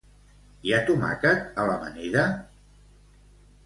Hi ha tomàquet a l'amanida?